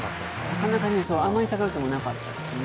なかなかね、あまり下がりそうでなかったですね。